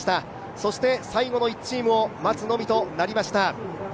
そして最後の１チームを待つのみとなりました。